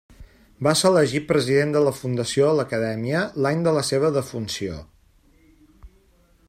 Va ser elegit president de la Fundació de l'Acadèmia l'any de la seva defunció.